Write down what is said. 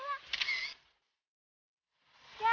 ya satu dua